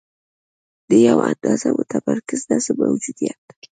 د یوه اندازه متمرکز نظم موجودیت.